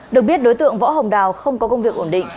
được biết đối tượng võ hồng đào không có công việc ổn định